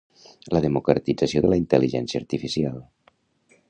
La democratització de la intel·ligència artificial.